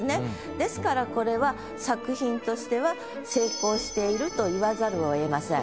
ですからこれは作品としては成功していると言わざるをえません。